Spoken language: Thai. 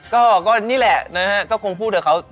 ก็นี่แหละนะฮะก็คงพูดกับเขา